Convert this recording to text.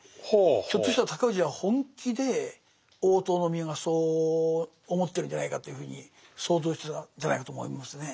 ひょっとしたら高氏は本気で大塔宮がそう思ってるんじゃないかというふうに想像してたんじゃないかと思いますね。